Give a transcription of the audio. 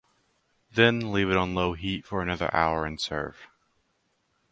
Then leave it on low heat for another hour and serve.